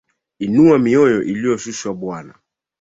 Inua mioyo iliyoshushwa bwana